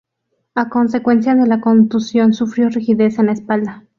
A consecuencia de la contusión sufrió rigidez en la espalda.